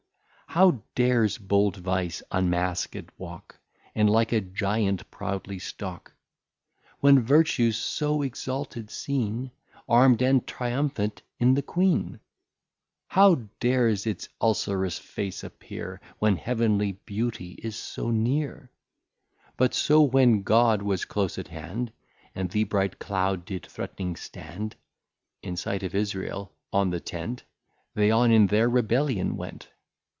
How dares bold Vice unmasked walk, And like a Giant proudly stalk? When Vertue's so exalted seen, Arm'd and Triumphant in the Queen? How dares its Ulcerous Face appear, When Heavenly Beauty is so near? But so when God was close at hand, And the bright Cloud did threatning stand (In sight of Israel) on the Tent, They on in their Rebellion went.